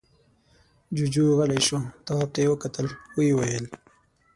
جُوجُو غلی شو. تواب ته يې وکتل، ويې ويل: